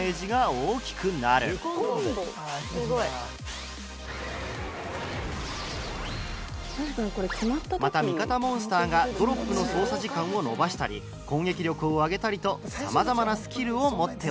「すごい」また味方モンスターがドロップの操作時間を延ばしたり攻撃力を上げたりとさまざまなスキルを持っており。